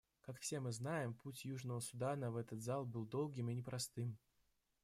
Как все мы знаем, путь Южного Судана в этот зал был долгим и непростым.